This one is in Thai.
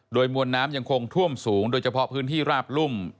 โดยมวลน้ำยังคงท่วมสูงโดยเฉพาะพื้นที่ราบรุ่ม